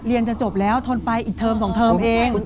จะจบแล้วทนไปอีกเทอม๒เทอมเอง